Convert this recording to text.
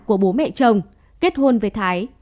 của bố mẹ chồng kết hôn với thái